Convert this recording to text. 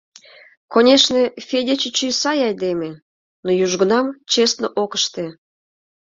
Конешне, Федя чӱчӱ сай айдеме, но южгунам честно ок ыште.